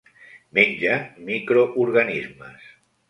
Menja microorganismes.